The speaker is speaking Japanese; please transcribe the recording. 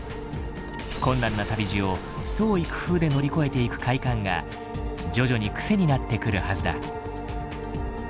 困難な旅路を創意工夫で乗り越えていく快感が徐々に癖になってくるはずだ。